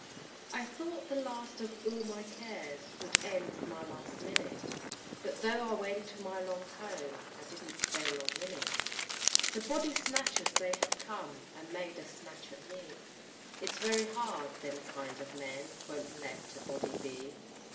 I thought the last of all my cares Would end with my last minute; But though I went to my long home, I didn't stay long in it. The body snatchers they have come, And made a snatch at me; It's very hard them kind of men Won't let a body be!